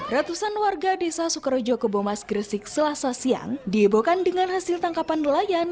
ratusan warga desa sukorojo kebomas gresik selasa siang diebohkan dengan hasil tangkapan nelayan